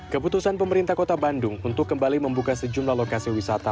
keputusan pemerintah kota bandung untuk kembali membuka sejumlah lokasi wisata